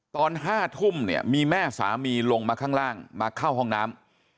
ตอน๕ทุ่มเนี่ยมีแม่สามีลงมาข้างล่างมาเข้าห้องน้ำ